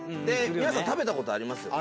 皆さん食べたことありますよね。